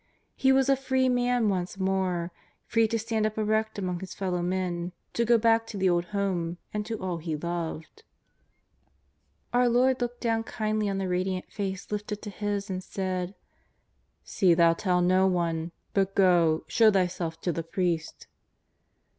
He was a free man once more, free to stand up erect amonc; his fellow men, to go back to the old home and to all he loved. JESUS OF NAZARETH. 181 Our Lord looked down kindly on the radiant face lifted to His and said: ^' See thou tell no one, but go, show thyself to the priest.'